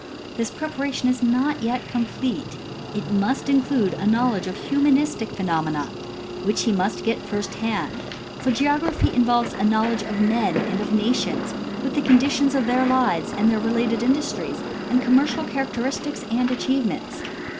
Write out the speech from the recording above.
This preparation is not yet complete ; it must include a knowl edge of humanistic phenomena which he must get first hand, for geography involves a knowledge of men and of nations, with the conditions of their lives and their related industries and commercial characteristics and achievements.